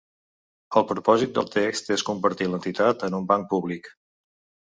El propòsit del text és convertir l’entitat en un banc públic.